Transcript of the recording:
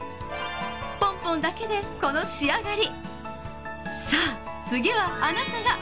ポンポンだけでこの仕上がり。